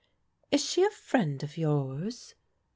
" Is she a friend of yours?